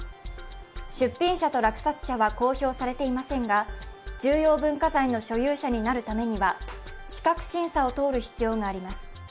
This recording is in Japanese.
出品者と落札者は公表されていませんが、重要文化財の所有者になるためには資格審査を通る必要があります。